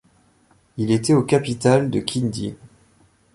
Il était au capital de Kindy.